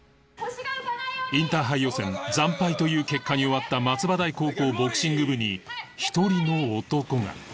インターハイ予選惨敗という結果に終わった松葉台高校ボクシング部に一人の男が